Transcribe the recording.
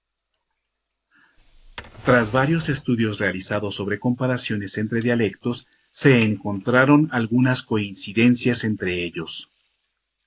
Tras varios estudios realizados sobre comparaciones entre dialectos, se encontraron algunas coincidencias entre ellos.